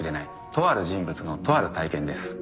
とある人物のとある体験です。